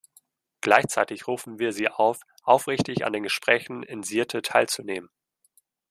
Gleichzeitig rufen wir sie auf, aufrichtig an den Gesprächen in Sirte teilzunehmen.